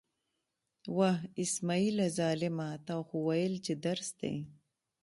وه! اسمعیله ظالمه، تا خو ویل چې درس دی.